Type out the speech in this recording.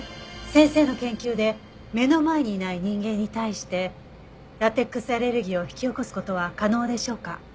先生の研究で目の前にいない人間に対してラテックスアレルギーを引き起こす事は可能でしょうか？